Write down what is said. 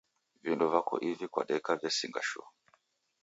Vindo vako ivi kwadeka vesinga shuu